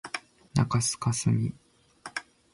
中須かすみ